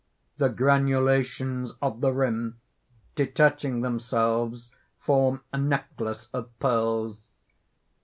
(_The granulations of the rim, detaching themselves form a necklace of pearls.